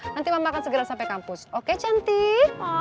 nanti mama akan segera sampai kampus oke cantik